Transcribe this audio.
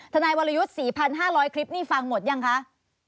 ทนายวรยุทธ์๔๕๐๐คลิปนี่ฟังหมดยังคะ